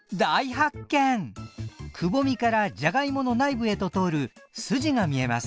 くぼみからじゃがいもの内部へと通る筋が見えます。